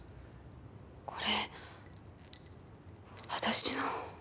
これ私の。